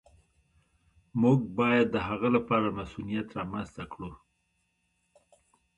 موږ باید د هغه لپاره مصونیت رامنځته کړو.